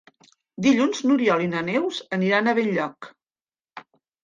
Dilluns n'Oriol i na Neus aniran a Benlloc.